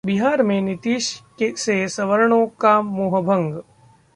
बिहार में नीतीश से सवर्णों का मोहभंग